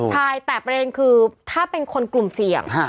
ใช่แต่ประเด็นคือถ้าเป็นคนกลุ่มเสี่ยง